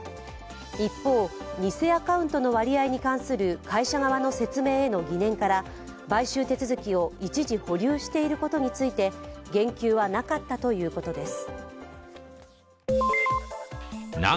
一方、偽アカウントの割合に関する会社側の説明への疑念から、買収手続きを一時保留していることについて、言及はなかったということです。